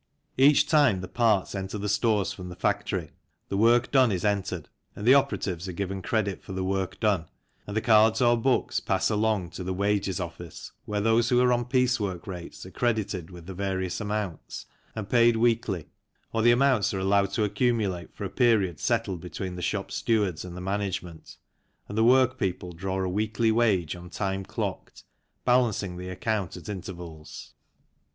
Each time the parts enter the stores from the factory the work done is entered and the operatives are given FROM STORES TO RAILWAY DRAY 35 credit for the work done, and the cards or books pass along to the wages office, where those who are on piecework rates are credited with the various amounts, and paid weekly, or the amounts are allowed to accumu late for a period settled between the shop stewards and the management, and the workpeople draw a weekly wage on time clocked, balancing the account at intervals.